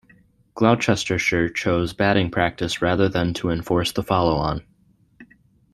Gloucestershire chose batting practice rather than to enforce the follow-on.